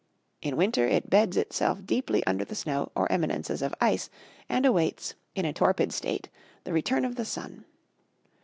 In winter, it beds itself deeply under the snow or eminences of ice, and awaits, in a torpid state, the return of the sun.